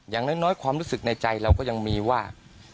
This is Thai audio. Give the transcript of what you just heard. อย่างน้อยความรู้สึกในใจเราก็ยังมีว่า